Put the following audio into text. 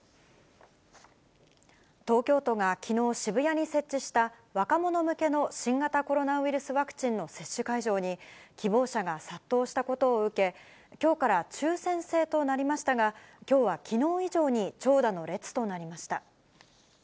東京都がきのう、渋谷に設置した若者向けの新型コロナウイルスワクチンの接種会場に希望者が殺到したことを受け、きょうから抽せん制となりましたが、きょうはきのう以上に長蛇の列となりました。